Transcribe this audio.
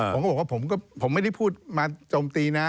ผมก็บอกว่าผมไม่ได้พูดมาโจมตีนะ